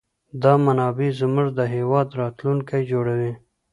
دا منابع زموږ د هېواد راتلونکی جوړوي.